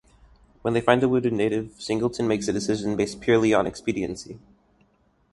When they find a wounded native, Singleton makes a decision based purely on expediency.